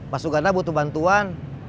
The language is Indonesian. mas uganda butuh bantuan